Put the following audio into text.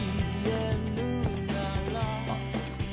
あっ。